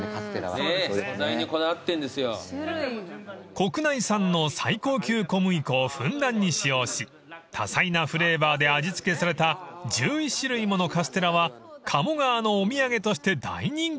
［国内産の最高級小麦粉をふんだんに使用し多彩なフレーバーで味付けされた１１種類ものカステラは鴨川のお土産として大人気］